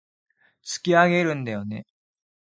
突き上げるんだよね